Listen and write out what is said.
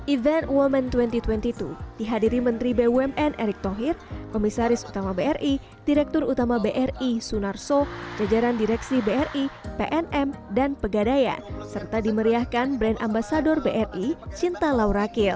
event women dua ribu dua puluh dua dihadiri menteri bumn erick thohir komisaris utama bri direktur utama bri sunarso jajaran direksi bri pnm dan pegadaian serta dimeriahkan brand ambasador bri cinta laurakir